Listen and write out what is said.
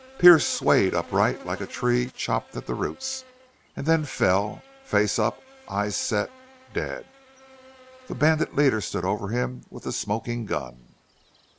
Pearce swayed upright, like a tree chopped at the roots, and then fell, face up, eyes set dead. The bandit leader stood over him with the smoking gun.